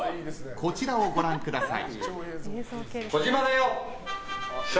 こちらをご覧ください。